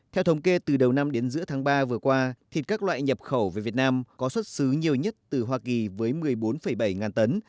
theo thống kê từ đầu năm đến giữa tháng ba vừa qua thịt các loại nhập khẩu về việt nam có xuất xứ nhiều nhất từ hoa kỳ với một mươi bốn bảy ngàn tấn